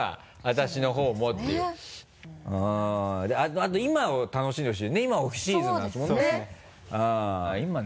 あと今を楽しんでほしい今オフシーズンなんですもんね？